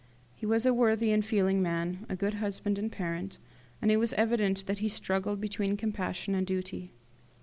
He was a worthy and feeling man, a good husband and parent, and it was evident that he struggled between compassion and duty.